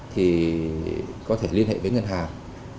thì có thể liên hệ với ngân hàng